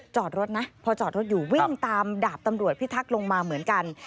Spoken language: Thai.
จอดรถนะพอจอดรถอยู่วิ่งตามดาบตำรวจพิทักษ์ลงมาเหมือนกัน